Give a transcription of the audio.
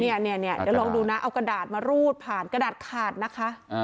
เดี๋ยวลองดูนะเอากระดาษมารูดผ่านกระดาษขาดนะคะ